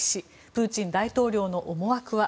プーチン大統領の思惑は？